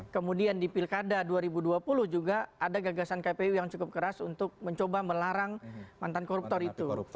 kemudian di pilkada dua ribu dua puluh juga ada gagasan kpu yang cukup keras untuk mencoba melarang mantan koruptor itu